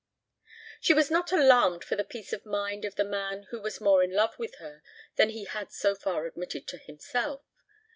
She was not alarmed for the peace of mind of the man who was more in love with her than he had so far admitted to himself.